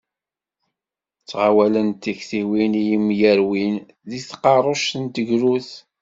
Ttɣawalent tektiwin i yemyerwin deg tqerruct n tegrudt.